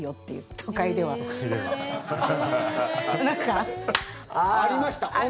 都会では。ありました。